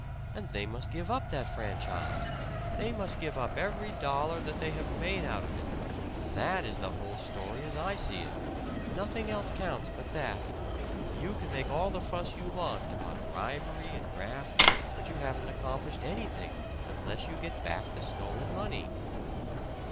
And they must give up that franchise! They must give up every dollar that they have made out of it! That is the whole story as I see it nothing else counts but that. You can make all the fuss you want about bribery and graft, but you haven't accomplished anything unless you get back the stolen money."